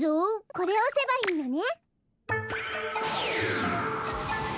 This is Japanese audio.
これをおせばいいのね。